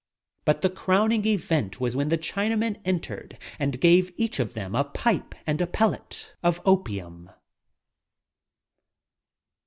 But the crowning event was when the Chinaman entered and gave each of them a pipe and a pellet of opium.